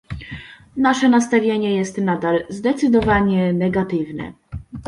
Nasze nastawienie jest nadal zdecydowanie negatywne